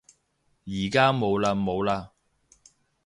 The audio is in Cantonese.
而家冇嘞冇嘞